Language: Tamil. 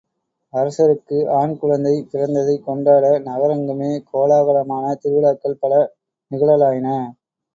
அரசருக்கு ஆண் குழந்தை பிறந்ததைக் கொண்டாட நகரெங்குமே கோலாகலமான திருவிழாக்கள் பல நிகழலாயின.